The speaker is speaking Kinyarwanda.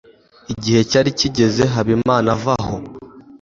igihe cyari kigeze habimana ava aho